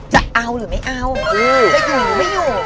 จะเอาหรือไม่เอาจะอยู่หรือไม่อยู่